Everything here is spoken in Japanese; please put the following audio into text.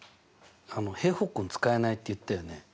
「平方根使えない」って言ったよね？